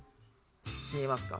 見えますか？